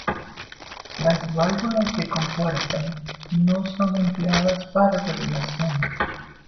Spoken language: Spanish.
Las válvulas de compuerta no son empleadas para regulación.